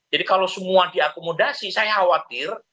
jadi kalau semua diakomodasi saya khawatir